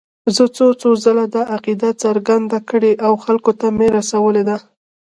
زه څو څو ځله دا عقیده څرګنده کړې او خلکو ته مې رسولې ده.